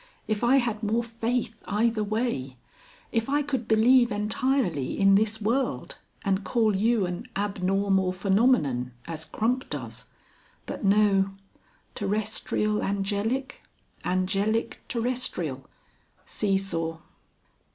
If I had more faith either way. If I could believe entirely in this world, and call you an Abnormal Phenomenon, as Crump does. But no. Terrestrial Angelic, Angelic Terrestrial.... See Saw."